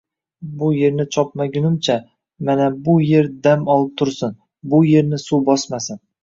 bu yerni chopgunimcha, mana bu yer dam olib tursin, bu yerni suv bosmasin...”